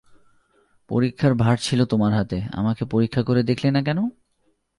পরীক্ষার ভার ছিল তোমার হাতে, আমাকে পরীক্ষা করে দেখলে না কেন?